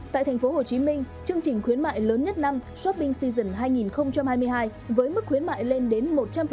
tại tp hcm chương trình khuyến mại lớn nhất năm shopping season hai nghìn hai mươi hai với mức khuyến mại lên đến một trăm linh